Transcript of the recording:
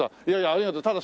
いやいやありがとう。